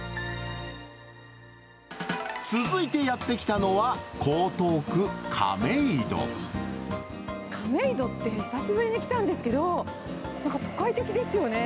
続いてやって来たのは、亀戸って久しぶりに来たんですけど、なんか都会的ですよね。